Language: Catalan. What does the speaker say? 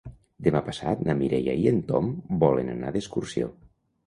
Demà passat na Mireia i en Tom volen anar d'excursió.